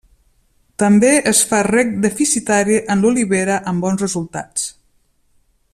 També es fa reg deficitari en l'olivera amb bons resultats.